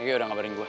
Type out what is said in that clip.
yaudah kabarin gue